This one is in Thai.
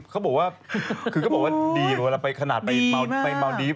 ก็เป็นทอมมาดีมานี่